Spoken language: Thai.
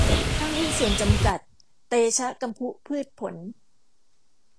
ห้างหุ้นส่วนจำกัด เตชะกำพุพืชผล